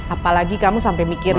apalagi kamu sampai mikirin